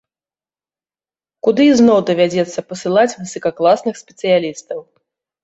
Куды ізноў давядзецца пасылаць высакакласных спецыялістаў.